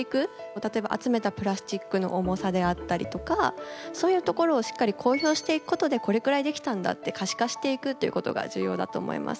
例えば集めたプラスチックの重さであったりとかそういうところをしっかり公表していくことでこれくらいできたんだって可視化していくっていうことが重要だと思います。